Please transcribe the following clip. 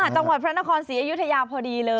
จังหวัดพระนครศรีอยุธยาพอดีเลย